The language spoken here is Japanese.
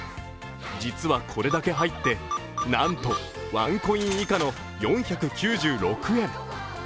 実はこれだけ入って、なんとワンコイン以下の４９６円。